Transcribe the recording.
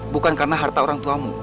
bukan karena harta orang tuamu